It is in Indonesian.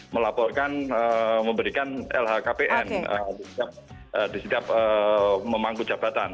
melaporkan memberikan lhkpn di setiap memangku jabatan